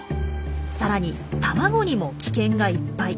さらに卵にも危険がいっぱい。